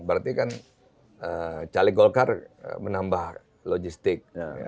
berarti kan calegolkar menambah logistik